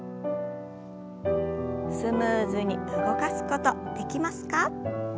スムーズに動かすことできますか？